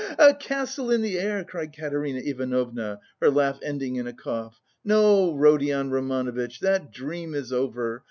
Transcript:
A castle in the air," cried Katerina Ivanovna, her laugh ending in a cough. "No, Rodion Romanovitch, that dream is over!